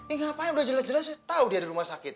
eh ngapain udah jelas jelas tau dia di rumah sakit